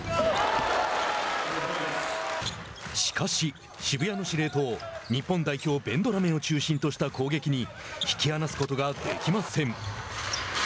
しかし渋谷の司令塔日本代表ベンドラメを中心とした攻撃に引き離すことができません。